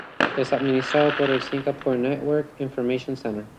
Es administrado por el Singapore Network Information Centre.